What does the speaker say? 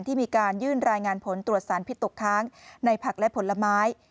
ที่มีการยื่นรายงานผลตรวจสารพิษตกค้างในผักและผลไม้